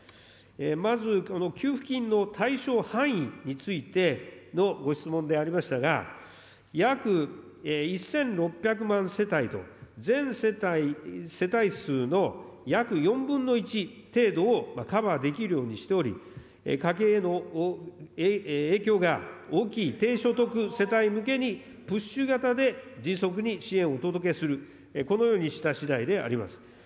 まず給付金の対象範囲についてのご質問でありましたが、約１６００万世帯と、全世帯数の約４分の１程度をカバーできるようにしており、家計への影響が大きい低所得世帯向けに、プッシュ型で迅速に支援をお届けする、このようにしたしだいであります。